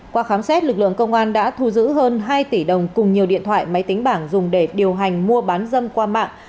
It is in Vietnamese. qua khám xét lực lượng công an đã thu giữ hơn hai tỷ đồng cùng nhiều điện thoại máy tính bảng dùng để điều hành mua bán dâm qua mạng